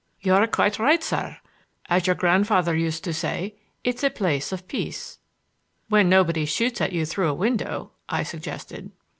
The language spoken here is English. "You are quite right, sir. As your grandfather used to say, it's a place of peace." "When nobody shoots at you through a window," I suggested.